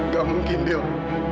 gak mungkin dil